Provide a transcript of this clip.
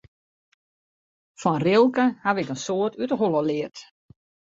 Fan Rilke haw ik in soad út de holle leard.